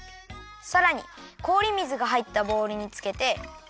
さらにこおり水がはいったボウルにつけて。